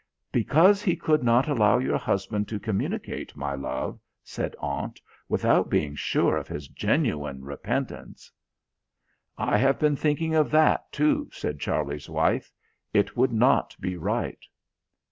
"Because he could not allow your husband to communicate, my love," said Aunt, "without being sure of his genuine repentance." "I have been thinking of that too," said Charlie's wife. "It would not be right."